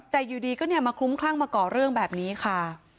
แต่อยู่ดีก็เนี่ยมาคลุ้มคลั่งมาก่อเรื่องแบบนี้ค่ะ